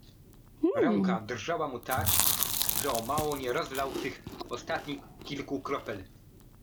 Ręka drżała mu tak, że o mało nie rozlał tych ostatnich kilku kropel.